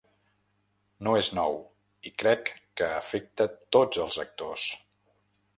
No és nou i crec que afecta tots els actors.